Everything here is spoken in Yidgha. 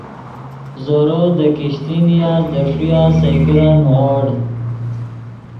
زورو دے کیشتی نیاست دے ݰویہ سئے کرن نیغوڑ